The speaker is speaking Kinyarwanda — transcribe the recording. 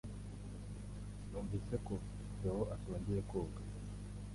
Numvise ko Theo atongeye koga